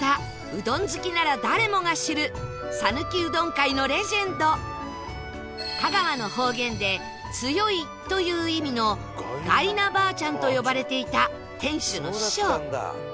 うどん好きなら誰もが知る香川の方言で「強い」という意味のがいなばあちゃんと呼ばれていた店主の師匠